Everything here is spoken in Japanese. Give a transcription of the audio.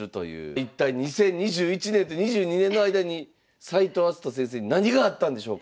一体２０２１年と２２年の間に斎藤明日斗先生に何があったんでしょうか。